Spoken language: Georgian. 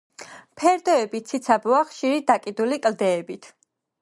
ფერდოები ციცაბოა, ხშირი დაკიდული კლდეებით.